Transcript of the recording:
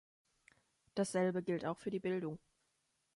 Dasselbe gilt auch für die Bildung.